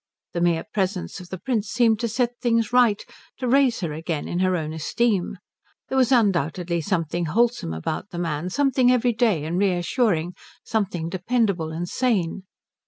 The mere presence of the Prince seemed to set things right, to raise her again in her own esteem. There was undoubtedly something wholesome about the man, something everyday and reassuring, something dependable and sane.